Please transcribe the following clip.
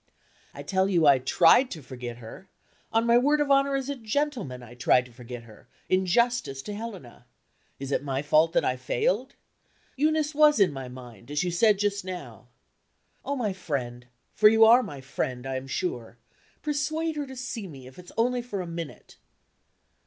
"I tell you I tried to forget her! On my word of honor as a gentleman, I tried to forget her, in justice to Helena. Is it my fault that I failed? Eunice was in my mind, as you said just now. Oh, my friend for you are my friend, I am sure persuade her to see me, if it's only for a minute!"